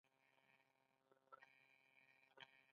د بیدمشک عرق د څه لپاره وکاروم؟